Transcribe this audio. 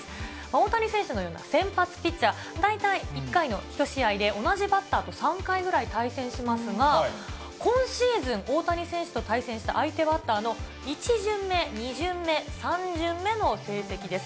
大谷選手のような先発ピッチャー、大体１回の１試合で同じバッターと３回ぐらい対戦しますが、今シーズン、大谷選手と対戦した相手バッターの１巡目、２巡目、３巡目の成績です。